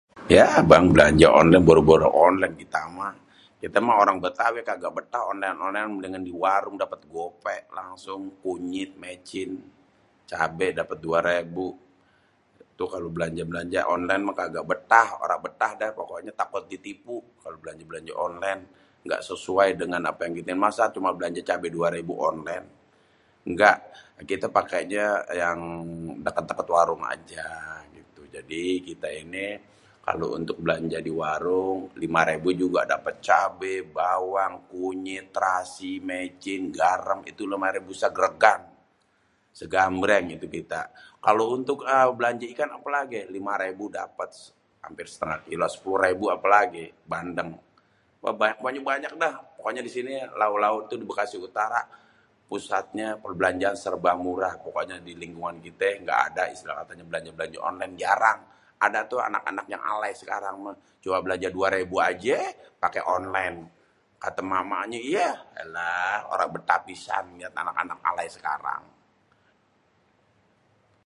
"ya abang belanja onlen boro-boro belanja onlen kita mah.. kita mah orang betawi kagak bétah onlen-onlen ménding di warung gopék langsung kunyit, mecin.. cabe dapét dua rébu.. itu kalo belanja-belanja onlen mah kagak bétah ora betah dah pokoknya takut ditipu kalo belanja-belanja onlen.. ngga sesuai dengan apa yang di ini, masa cuma belanja dua rébu onlen.. ngga, kita pakénya yang dékét-dékét warung ajaa gitu.. jadi kita ini kalo untuk belanja di warung lima rebu juga dapét cabe, bawang, kunyit, terasi, mecin, garem, itu lima rebu ségrégan.. ségambréng itu kita.. kalo untuk belanja ikan apalagi lima rébu dapét hampir setengah kilo.. sepuluh rebu apalagi bandéng.. wah banyak pokonya banyak dah di sini lauk tu di bekasi utara.. pusatnya perbelanjaan serba murah.. pokokknya di lingkungan kité ngga ada istilah katanya belanja-belanja onlen jarang.. ada tuh anak-anak yang alay sekarang cuma belanja dua rebu ajé paké onlen.. kata mamaknye ""iyéé alaah ora bétah pisan liat anak-anak alay sekarang"".."